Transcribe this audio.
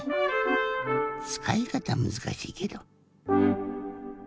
つかいかたむずかしいけど。